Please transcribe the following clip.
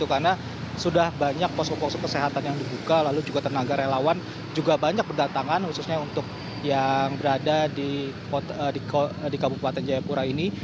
karena sudah banyak posko posko kesehatan yang dibuka lalu juga tenaga relawan juga banyak berdatangan khususnya untuk yang berada di kabupaten jayapura ini